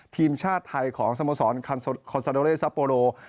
ทีมชาติไทยของสโมสรคอนซาโดเลซัปโปโล